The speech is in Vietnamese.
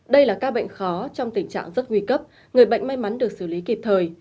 đây là ca bệnh khó trong tình trạng rất nguy cấp người bệnh may mắn được xử lý kịp thời